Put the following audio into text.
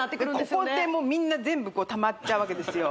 ここでもうみんな全部こうたまっちゃうわけですよ